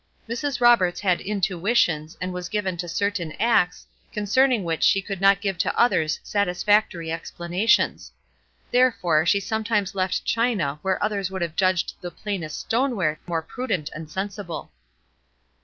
Mrs. Roberts had intuitions, and was given to certain acts, concerning which she could not give to others satisfactory explanations. Therefore, she sometimes left china where others would have judged the plainest stoneware more prudent and sensible.